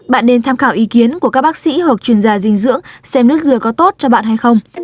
bạn nên tham khảo ý kiến của các bác sĩ hoặc chuyên gia dinh dưỡng xem nước dừa có tốt cho bạn hay không